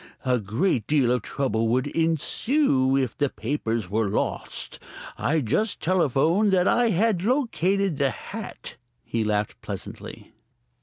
A great deal of trouble would ensue if the papers were lost. I just telephoned that I had located the hat." He laughed pleasantly.